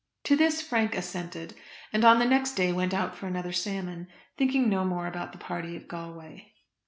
To this Frank assented, and on the next day went out for another salmon, thinking no more about the party at Galway.